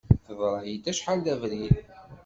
Teḍra-yi-d acḥal d abrid.